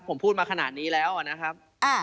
ผมพูดมาขนาดนี้แล้วนะครับ